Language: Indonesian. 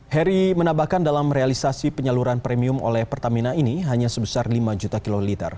heri menambahkan dalam realisasi penyaluran premium oleh pertamina ini hanya sebesar lima juta kiloliter